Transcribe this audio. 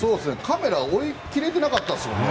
カメラ追い切れてなかったですもんね。